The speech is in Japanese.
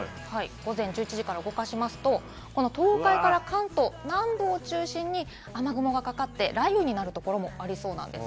午前１１時から動かしますと、東海から関東南部を中心に雨雲がかかって、雷雨になるところもありそうです。